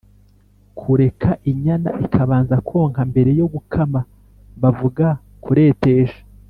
Kureka inyana ikabanza konka mbere yo gukama bavuga Kuretesha